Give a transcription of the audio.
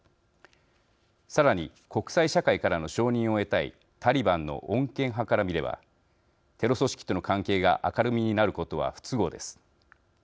さらに国際社会からの承認を得たいタリバンの穏健派から見ればテロ組織との関係が明るみになることは不都合です。